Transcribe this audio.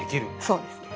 そうですねはい。